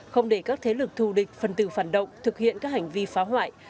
không để các thế lực thù địch phân tử phản động thực hiện các hành vi phá hoại